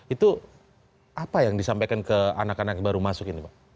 itu apa yang disampaikan ke anak anak yang baru masuk ini pak